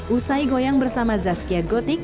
usai goyang bersama zazkia gotik